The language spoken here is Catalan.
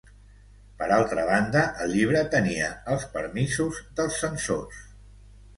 Per altra banda el llibre tenia els permisos dels censors.